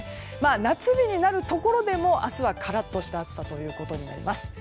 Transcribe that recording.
夏日になるところでも、明日はカラッとした暑さになります。